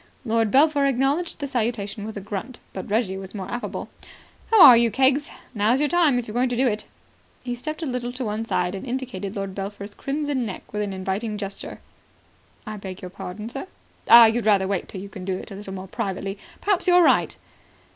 Lord Belpher acknowledged the salutation with a grunt, but Reggie was more affable. "How are you, Keggs? Now's your time, if you're going to do it." He stepped a little to one side and indicated Lord Belpher's crimson neck with an inviting gesture. "I beg your pardon, sir?" "Ah. You'd rather wait till you can do it a little more privately. Perhaps you're right."